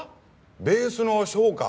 ベースの翔か。